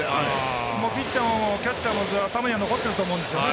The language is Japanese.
ピッチャーもキャッチャーも頭には残ってると思うんですよね